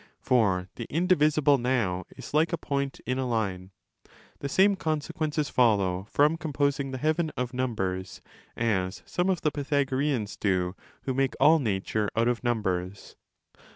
For 15 the indivisible now is like a point ina line. The same conse quences follow from composing the heaven of numbers, as some of the Pythagoreans do who make all nature out of numbers.